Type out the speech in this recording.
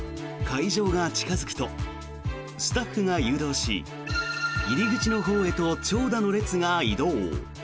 会場が近付くとスタッフが誘導し入り口のほうへと長蛇の列が移動。